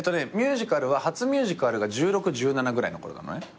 ミュージカルは初ミュージカルが１６１７ぐらいのころなのね。